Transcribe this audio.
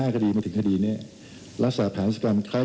๔๕คดีมาถึงคดีนี้รักษาผลันศึกภัณฑ์คล้ายกัน